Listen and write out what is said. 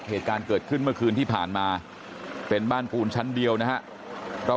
เหตุการณ์เกิดขึ้นเมื่อคืนที่ผ่านมาเป็นบ้านปูนชั้นเดียวนะครับรอบ